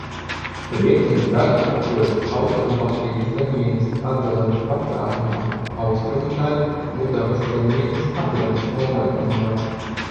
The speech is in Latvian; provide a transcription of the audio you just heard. Rietumu daļa atrodas Austrumlatvijas zemienes Adzeles pacēlumā, austrumu daļa – Mudavas zemienes Abrenes nolaidenumā.